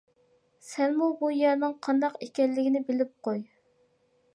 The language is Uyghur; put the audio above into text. سەنمۇ بۇ يەرنىڭ قانداق ئىكەنلىكىنى بىلىپ قوي.